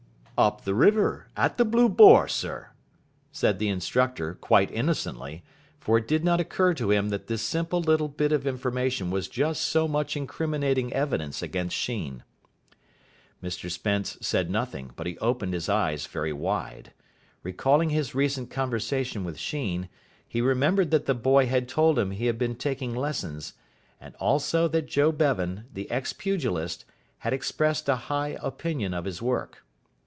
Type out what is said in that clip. "Up the river at the 'Blue Boar', sir," said the instructor, quite innocently for it did not occur to him that this simple little bit of information was just so much incriminating evidence against Sheen. Mr Spence said nothing, but he opened his eyes very wide. Recalling his recent conversation with Sheen, he remembered that the boy had told him he had been taking lessons, and also that Joe Bevan, the ex pugilist, had expressed a high opinion of his work.